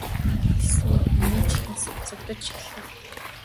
Аавын маань хэлсэн үг миний чихэнд сонсогдож эхлэв.